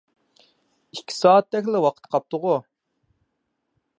ئىككى سائەتتەكلا ۋاقتى قاپتىغۇ؟